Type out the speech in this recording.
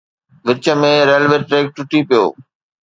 وچ ۾ railway track ٽٽي پيو